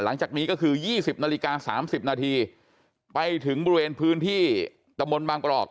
หลังจากนี้ก็คือยี่สิบนาฬิกาสามสิบนาทีไปถึงบริเวณพื้นที่ตะมนต์บางประอบ